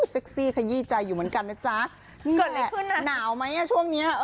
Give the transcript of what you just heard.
ซี่ขยี้ใจอยู่เหมือนกันนะจ๊ะนี่แหละหนาวไหมอ่ะช่วงเนี้ย